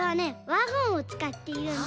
ワゴンをつかっているんだ。